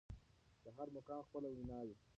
د هر مقام خپله وينا وي.